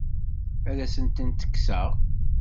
Ad asent-tent-kkseɣ?